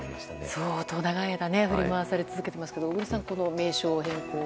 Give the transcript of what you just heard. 相当長い間振り回され続いていますが小栗さん、この名称変更は？